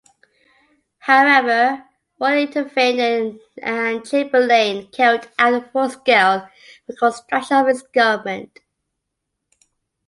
However war intervened and Chamberlain carried out a fullscale reconstruction of his government.